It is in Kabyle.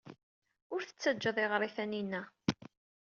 Ur t-ttajja ad iɣer i Taninna.